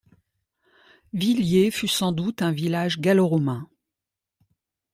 Villiers fut sans doute un village gallo-romain.